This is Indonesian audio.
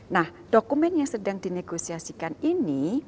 nah dokumen yang sedang dinegosiasikan ini